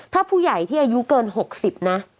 ถ้าผู้ใหญ่ที่อายุเกิน๖๐นะ